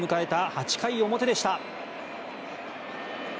８回表でした。